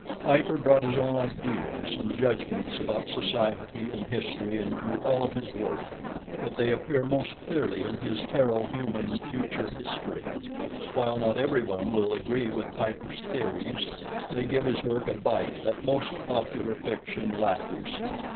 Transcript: Piper brought his own ideas and judgments about society and history into all of his work, but they appear most clearly in his Terro Human Future History. While not everyone will agree with Piper's theories they give his work a bite that most popular fiction lacks.